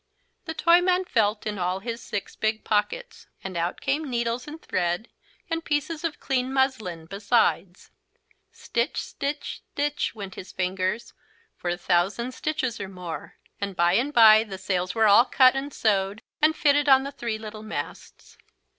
The Toyman felt in all of his six big pockets. And out came needles and thread, and pieces of clean muslin besides. Stitch, stitch, stitch went his fingers, for a thousand stitches or more. And bye and bye the sails were all cut and sewed and fitted on the three little masts.